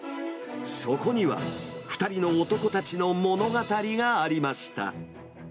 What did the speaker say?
そこには、２人の男たちの物語がありました。